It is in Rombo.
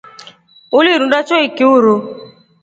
Ulirunda choiki uruu.